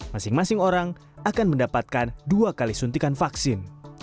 masing masing orang akan mendapatkan dua kali suntikan vaksin